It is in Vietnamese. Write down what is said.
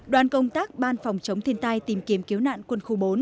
đoàn công tác ban phòng chống thiên tai tìm kiếm cứu nạn quân khu bốn